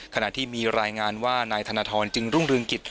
ขณะที่มีรายงานว่านายธนทรจึงรุ่งเรืองกิจ